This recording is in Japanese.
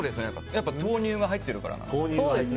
やっぱり豆乳が入ってるから。